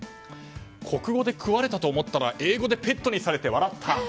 国語で食われたと思ったら英語でペットにされて笑った。